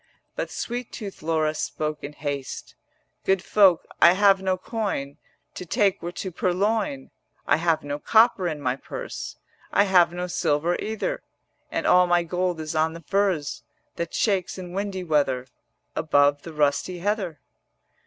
But sweet tooth Laura spoke in haste: 'Good folk, I have no coin; To take were to purloin: I have no copper in my purse, I have no silver either, And all my gold is on the furze 120 That shakes in windy weather Above the rusty heather.'